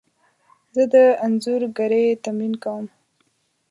زه د انځورګري تمرین کوم.